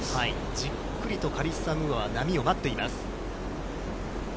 じっくりとカリッサ・ムーアは波を待っています。